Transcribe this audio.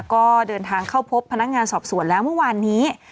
ก็เดินทางเข้าพบพนักงานสอบสวนแล้วเมื่อวานนี้